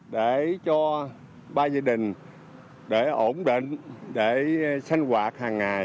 để cho ba gia đình để ổn định để sinh hoạt hàng ngày